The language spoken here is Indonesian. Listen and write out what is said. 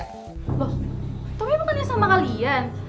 loh tommy bukannya sama kalian